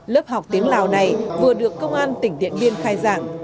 lớp học tiếng lào này vừa được công an tỉnh điện biên khai giảng